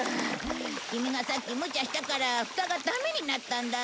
キミがさっきむちゃしたからフタがダメになったんだぞ。